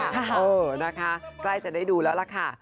เออนะคะใกล้จะได้ดูแล้วล่ะค่ะ